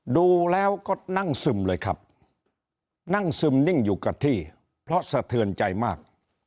ดูแล้วก็นั่งซึมเลยครับนั่งซึมนิ่งอยู่กับที่เพราะสะเทือนใจมาก